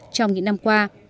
trong những năm qua